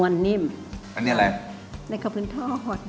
ในกะพื้นทอด